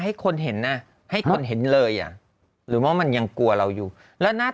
ให้คนเห็นน่ะให้คนเห็นเลยอ่ะหรือว่ามันยังกลัวเราอยู่แล้วน่า